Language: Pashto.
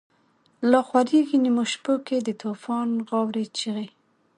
لاخوریږی نیمو شپو کی، دتوفان غاوری چیغی